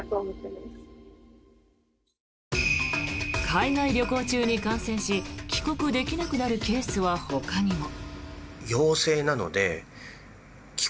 海外旅行中に感染し帰国できなくなるケースはほかにも。